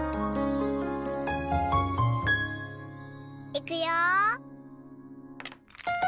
いくよ。